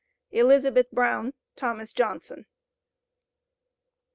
"ELIZABETH BROWN. "THOMAS JOHNSON."